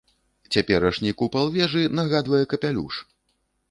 Цяперашні купал вежы нагадвае капялюш!